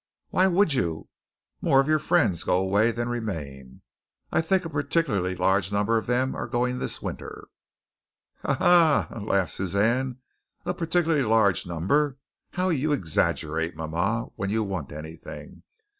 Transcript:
"Why would you? More of your friends go away than remain. I think a particularly large number of them are going this winter." "Ha! Ha! Ho! Ho!" laughed Suzanne. "A particularly large number. How you exaggerate, mama, when you want anything.